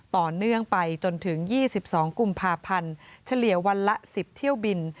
ต่อเนื่องไปจนถึง๒๒กุมภาพันธ์เฉลี่ยวันละ๑๐เที่ยวบิน